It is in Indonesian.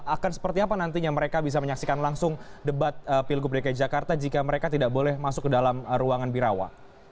akan seperti apa nantinya mereka bisa menyaksikan langsung debat pilgub dki jakarta jika mereka tidak boleh masuk ke dalam ruangan birawa